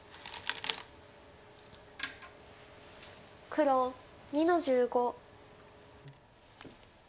黒２の十五。